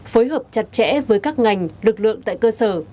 phối hợp chặt chẽ với các ngành lực lượng tại cơ sở